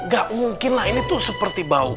gak mungkin lah ini tuh seperti bau